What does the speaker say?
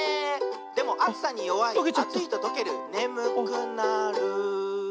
「でもあつさによわいあついととけるねむくなる」